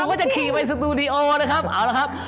ก็จะขี่ไปสตูดิโอนะครับเอาละครับ